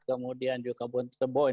kemudian juga bontebo